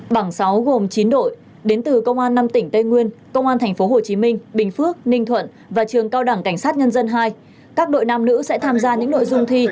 bảng sáu gồm chín đội đến từ công an năm tỉnh tây nguyên công an tp hcm bình phước ninh thuận và trường cao đẳng cảnh sát nhân dân hai các đội nam nữ sẽ tham gia những nội dung thi